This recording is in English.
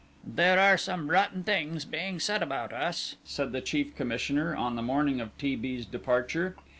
"There are some rotten things being said about us," said the Chief Commissioner on the morning of T. B.'s departure.